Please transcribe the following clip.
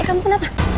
eh kamu kenapa